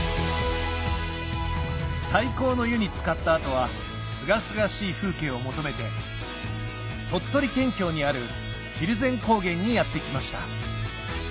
最高の湯につかった後はすがすがしい風景を求めて鳥取県境にある蒜山高原にやって来ました